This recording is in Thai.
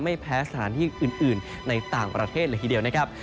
ไม่แพ้สถานที่อื่นในต่างประเทศเลยทีเดียวนะครับ